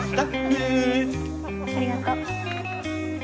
ありがとう。